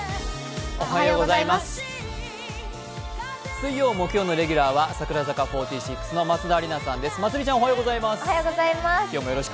水曜、木曜のレギュラーは、櫻坂４６の松田里奈さんです。